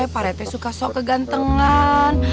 pak rt suka sok kegantengan